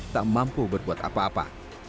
tak mampu berbuat apa apa